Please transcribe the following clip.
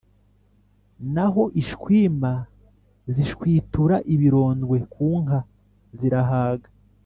naho ishwima zishwitura ibirondwe ku nka zirahaga.